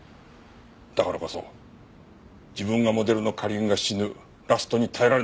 だからこそ自分がモデルの花凛が死ぬラストに耐えられなかった。